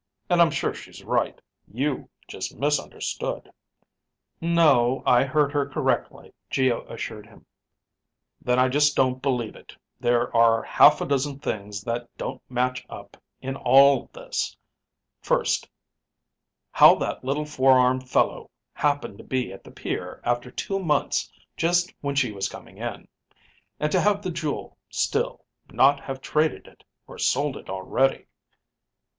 And I'm sure she's right. You just misunderstood." "No, I heard her correctly," Geo assured him. "Then I just don't believe it. There are half a dozen things that don't match up in all this. First, how that little four armed fellow happened to be at the pier after two months just when she was coming in. And to have the jewel still, not have traded it, or sold it already...."